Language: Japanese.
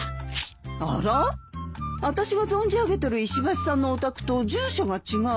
あらあたしが存じ上げてる石橋さんのお宅と住所が違う。